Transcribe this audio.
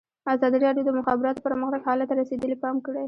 ازادي راډیو د د مخابراتو پرمختګ حالت ته رسېدلي پام کړی.